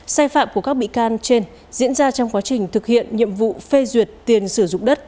sai phạm của các bị can trên diễn ra trong quá trình thực hiện nhiệm vụ phê duyệt tiền sử dụng đất